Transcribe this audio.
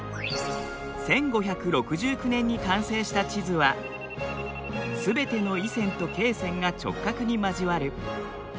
１５６９年に完成した地図は「すべての緯線と経線が直角に交わる。